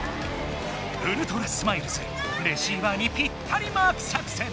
ウルトラスマイルズレシーバーにピッタリマーク作戦。